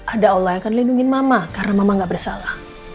ada allah yang akan lindungi mama karena mama gak bersalah